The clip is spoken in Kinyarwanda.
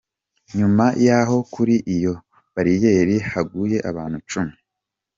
Nyuma y’aho kuri iyo bariyeri haguye abantu icumi.